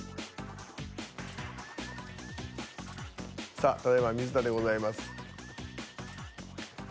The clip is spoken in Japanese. さあただ今水田でございます。